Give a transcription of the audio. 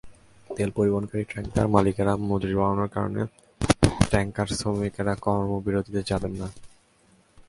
তেল পরিবহনকারী ট্যাংকার মালিকেরা মজুরি বাড়ানোর কারণে ট্যাংকার শ্রমিকেরা কর্মবিরতিতে যাবেন না।